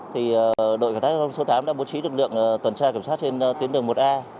thì đội cảnh sát giao thông số tám đã bố trí lực lượng tuần tra kiểm soát trên tuyến đường một a